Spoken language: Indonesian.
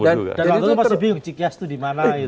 dan waktu itu masih bingung cikyas itu dimana